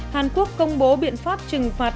hàn quốc công bố biện pháp trừng phạt